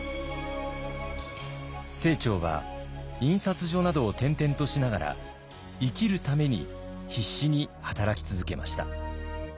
清張は印刷所などを転々としながら生きるために必死に働き続けました。